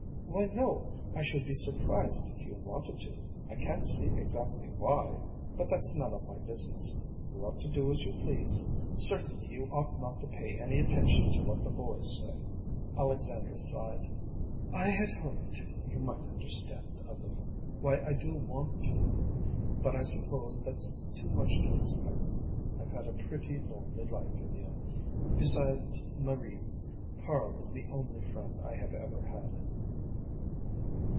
"Why, no. I should be surprised if you wanted to. I can't see exactly why. But that's none of my business. You ought to do as you please. Certainly you ought not to pay any attention to what the boys say." Alexandra sighed. "I had hoped you might understand, a little, why I do want to. But I suppose that's too much to expect. I've had a pretty lonely life, Emil. Besides Marie, Carl is the only friend I have ever had."